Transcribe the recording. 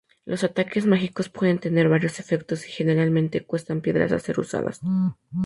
Los ataques mágicos pueden tener varios efectos y generalmente cuestan piedras a ser usadas.